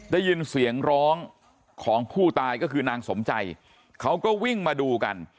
ได้ยินเสียงร้องของผู้ตายก็คือนางสมใจเขาก็วิ่งมาดูกัน